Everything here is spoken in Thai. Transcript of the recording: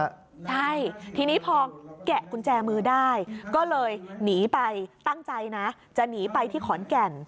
ใช่ทีนี้พอแกะกุญแจมือได้ก็เลยหนีไปตั้งใจนะจะหนีไปที่ขอนแก่น